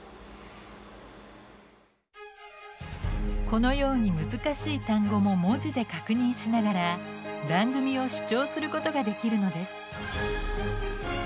このように難しい単語も文字で確認しながら番組を視聴することができるのです。